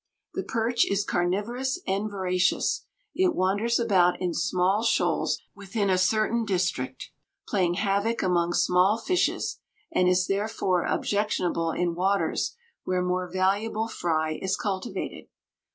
The perch is carnivorous and voracious. It wanders about in small shoals within a certain district, playing havoc among small fishes, and is therefore objectionable in waters where more valuable fry is cultivated.